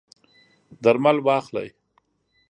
درمل واخلئ